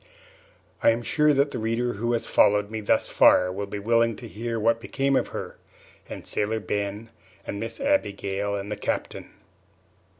I am sure that the reader who has followed me thus far will be willing to hear what became of her, and Sailor Ben and Miss Abigail and the Captain.